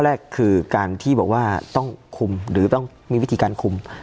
แรกคือการที่บอกว่าต้องคุมหรือต้องมีวิธีการคุม